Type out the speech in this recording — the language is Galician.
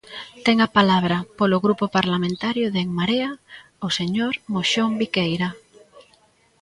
Ten a palabra, polo Grupo Parlamentario de En Marea, o señor Moxón Biqueira.